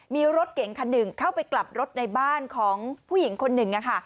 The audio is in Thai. มีรถเก๋งคันหนึ่งเข้าไปกลับรถในบ้านของผู้หญิงคนหนึ่ง